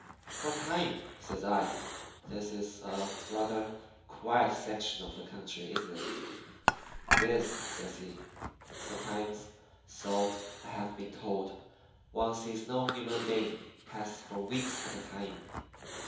"'For a time,' says I. 'This is a rather quiet section of the country, isn't it?' "'It is,' says he. 'Sometimes so I have been told one sees no human being pass for weeks at a time.